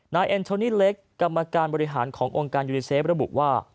เอ็นโชนี่เล็กกรรมการบริหารขององค์การยูนิเซฟระบุว่า